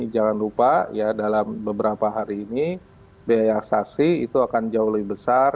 jangan lupa ya dalam beberapa hari ini biaya asasi itu akan jauh lebih besar